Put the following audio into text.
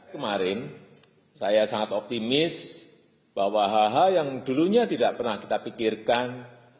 kemarin saya sangat optimis bahwa hal hal yang dulunya tidak pernah kita pikirkan